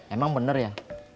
emang bener ya